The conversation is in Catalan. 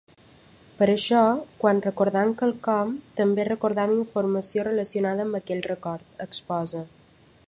Per això quan recordem quelcom també recordem informació relacionada amb aquell record, exposa.